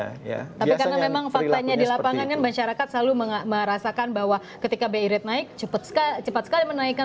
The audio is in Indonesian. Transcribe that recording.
tapi karena memang faktanya di lapangan kan masyarakat selalu merasakan bahwa ketika bi rate naik cepat sekali menaikkan